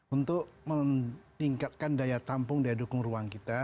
ini mengingatkan daya tampung daya dukung ruang kita